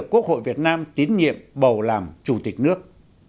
quốc hội việt nam tín nhiệm bầu làm chủ tịch nước